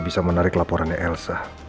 bisa menarik laporannya elsa